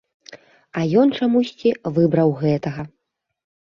А ён чамусьці выбраў гэтага.